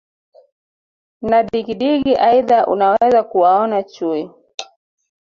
na digidigi Aidha unaweza kuwaona chui